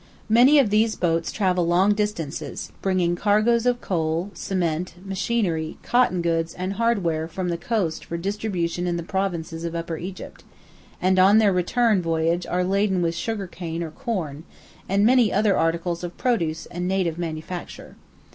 Many of these boats travel long distances, bringing cargoes of coal, cement, machinery, cotton goods, and hardware from the coast for distribution in the provinces of Upper Egypt, and on their return voyage are laden with sugar cane or corn, and many other articles of produce and native manufacture.